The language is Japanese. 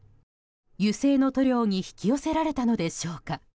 油性の塗料に引き寄せられたのでしょうか。